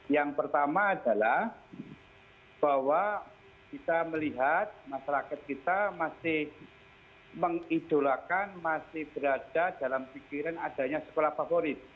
yang pertama adalah bahwa kita melihat masyarakat kita masih mengidolakan masih berada dalam pikiran adanya sekolah favorit